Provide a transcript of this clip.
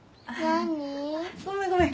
ごめんごめん